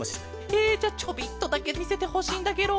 えじゃちょびっとだけみせてほしいんだケロ。